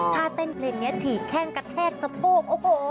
ถ้าเต้นเพลงนี้ฉีกแข้งกระแทกสะโพกโอ้โห